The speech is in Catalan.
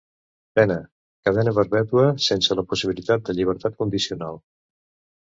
Pena: cadena perpètua sense la possibilitat de llibertat condicional.